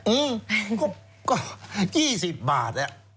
อื้มก็๒๐บาท